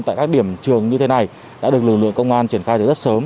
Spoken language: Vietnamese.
tại các điểm trường như thế này đã được lực lượng công an triển khai từ rất sớm